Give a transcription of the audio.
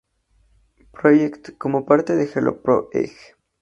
Project como parte de Hello Pro Egg.